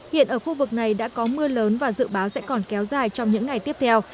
hiện ở khu vực này đã có mưa lớn và dự báo sẽ còn kéo dài trong những ngày tiếp theo